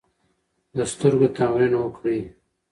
د سترګو تمرین وکړئ.